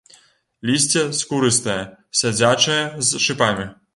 Лісце скурыстае, сядзячае, з шыпамі.